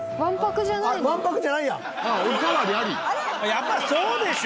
やっぱりそうでしょ？